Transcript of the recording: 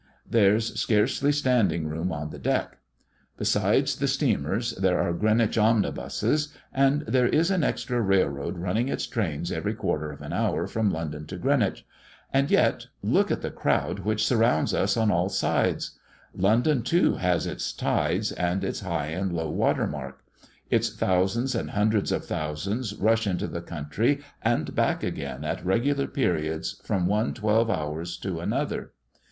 There's scarcely standing room on the deck. Besides the steamers, there are Greenwich omnibuses, and there is an extra railroad running its trains every quarter of an hour from London to Greenwich and yet, look at the crowd which surrounds us on all sides! London, too, has its tides, and its high and low water mark; its thousands and hundreds of thousands rush into the country and back again at regular periods from one twelve hours to another.